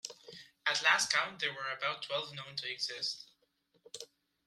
At last count there were about twelve known to exist.